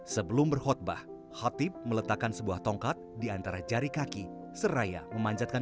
sebelum berkhutbah khatib meletakkan sebuah tongkat diantara jari kaki seraya memandangkan